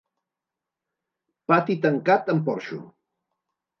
Pati tancat amb porxo.